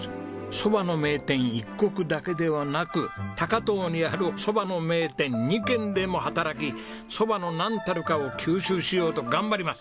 蕎麦の名店壱刻だけではなく高遠にある蕎麦の名店２軒でも働き蕎麦のなんたるかを吸収しようと頑張ります。